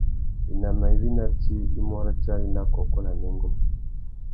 Winama iwí ná tsi i mú ratiari na kôkô na nêngô.